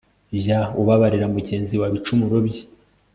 jya ubabarira mugenzi wawe ibicumuro bye